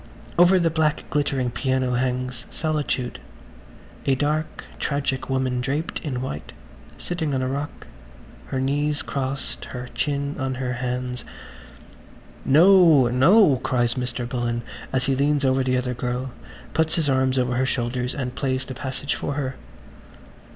.... Over the black glittering piano hangs "Solitude"–a dark tragic woman draped in white, sitting on a rock, her knees crossed, her chin on her hands. "No, no!" says Mr. Bullen, and he leans over the other girl, puts his arms over her shoulders and plays the passage for her.